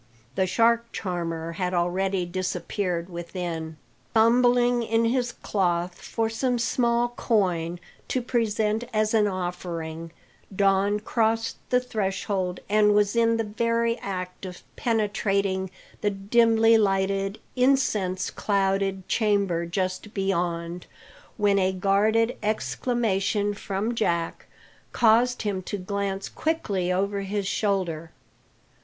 The shark charmer had already disappeared within. Fumbling in his cloth for some small coin, to present as an offering, Don crossed the threshold, and was in the very act of penetrating the dimly lighted, incense clouded chamber just beyond, when a guarded exclamation from Jack caused him to glance quickly over his shoulder.